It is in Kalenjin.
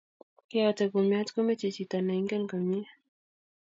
Keyotei kumiat komochei chito ne ingen komie